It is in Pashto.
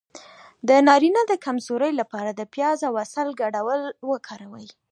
د نارینه د کمزوری لپاره د پیاز او عسل ګډول وکاروئ